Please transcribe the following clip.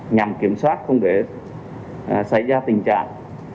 nhằm kiểm soát không để xảy ra tình trạng